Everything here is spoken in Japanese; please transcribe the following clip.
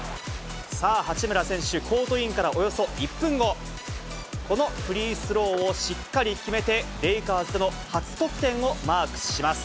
さあ、八村選手、コートインからおよそ１分後、このフリースローをしっかり決めて、レイカーズでの初得点をマークします。